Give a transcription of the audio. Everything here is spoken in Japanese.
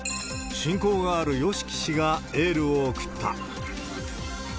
親交があるＹＯＳＨＩＫＩ氏がエールを送った。